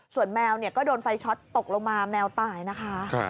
ส่วนแมวก็โดนไฟช็อตตกลงมาแมวตายนะคะ